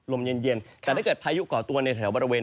ลมเย็นแต่ถ้าเกิดพายุก่อตัวในแถวบริเวณ